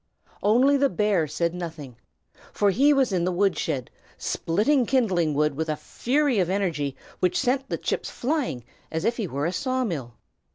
Only the bear said nothing, for he was in the wood shed, splitting kindling wood with a fury of energy which sent the chips flying as if he were a saw mill.